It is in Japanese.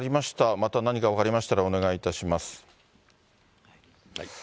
また何か分かりましたら、お願いいたします。